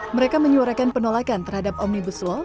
mereka menyuarakan penolakan terhadap omnibus law